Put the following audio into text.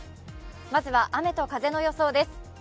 まずは雨と風の予想です。